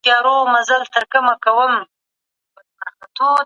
هر عمل چي کوو باید د الله رضا په کي وي.